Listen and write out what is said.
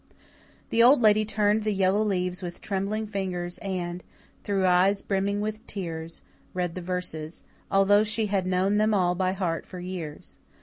The Old Lady turned the yellow leaves with trembling fingers and, through eyes brimming with tears, read the verses, although she had known them all by heart for years.